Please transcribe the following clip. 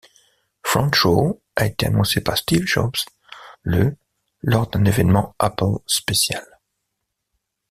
Front Row a été annoncé par Steve Jobs le lors d'un événement Apple spécial.